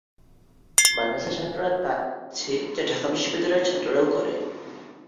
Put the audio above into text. মাদ্রাসার ছাত্ররা তা ই করেছে, যা ঢাকা বিশ্ববিদ্যালয়ের ছাত্ররাও করে।